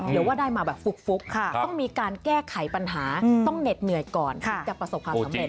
หรือว่าได้มาแบบฟุกต้องมีการแก้ไขปัญหาต้องเหน็ดเหนื่อยก่อนที่จะประสบความสำเร็จ